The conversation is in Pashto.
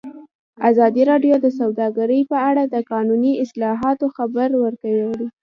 ازادي راډیو د سوداګري په اړه د قانوني اصلاحاتو خبر ورکړی.